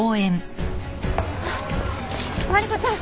マリコさん